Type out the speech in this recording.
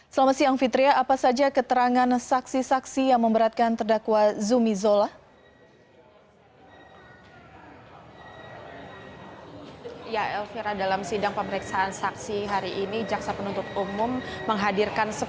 selamat siang fitria apa saja keterangan saksi saksi yang memberatkan terdakwa zumi zola